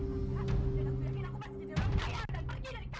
aku sudah muak makan makanan orang orang